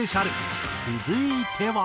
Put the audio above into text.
続いては。